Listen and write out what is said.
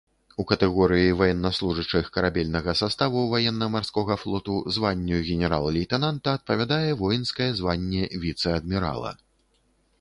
У катэгорыі ваеннаслужачых карабельнага саставу ваенна-марскога флоту званню генерал-лейтэнанта адпавядае воінскае званне віцэ-адмірала.